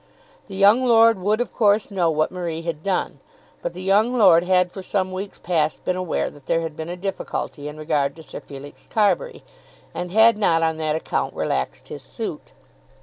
The young lord would of course know what Marie had done. But the young lord had for some weeks past been aware that there had been a difficulty in regard to Sir Felix Carbury, and had not on that account relaxed his suit.